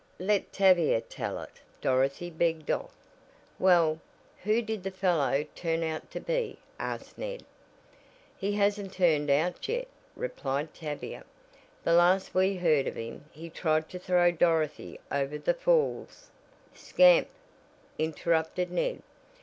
"Let Tavia tell it," Dorothy begged off. "Well, who did the fellow turn out to be?" asked Ned. "He hasn't turned out yet," replied Tavia. "The last we heard of him he tried to throw Dorothy over the falls " "Scamp," interrupted Ned.